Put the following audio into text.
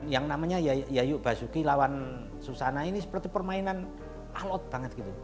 yang namanya yayu basuki lawan susana ini seperti permainan alot banget gitu